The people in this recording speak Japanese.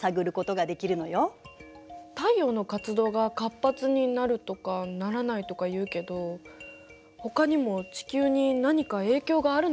太陽の活動が活発になるとかならないとか言うけどほかにも地球に何か影響があるのかしら。